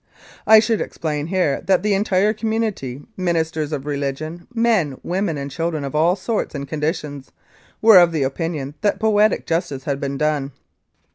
I should explain here that the entire community ministers of religion^, men, women and children of all sorts and conditions were of opinion that poetic justice had been done.